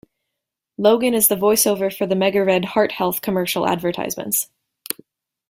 Logan is the voice-over for the MegaRed heart health commercial advertisements.